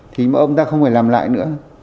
thì mẫu ôm ta không phải làm lại nữa